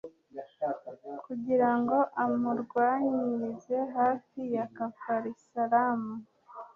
kugira ngo amurwanyirize hafi ya kafarisalamu